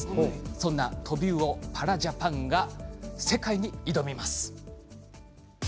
そんなトビウオパラジャパンが世界に挑みます。